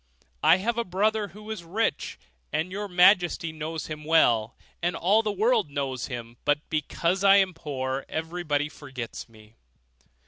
I have a brother, who is rich, and your majesty knows him well, and all the world knows him; but because I am poor, everybody forgets me.